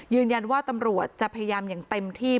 ยืนยันว่าตำรวจจะพยายามอย่างเต็มที่